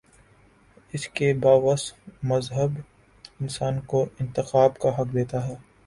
اس کے باوصف مذہب انسان کو انتخاب کا حق دیتا ہے۔